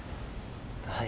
はい。